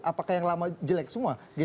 apakah yang lama jelek semua